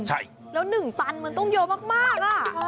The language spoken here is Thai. ใช่แล้ว๑ตันมันต้องเยอะมาก